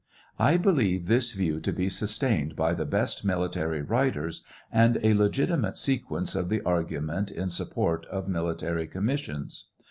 I believe this view to be sustained by the best military writers, and a legitimate sequence of the argument in sup port of military commissions.